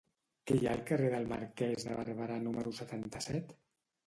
Què hi ha al carrer del Marquès de Barberà número setanta-set?